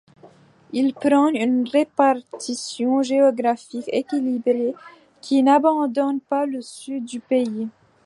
Il prône une répartition géographique équilibrée qui n'abandonne pas le sud du pays.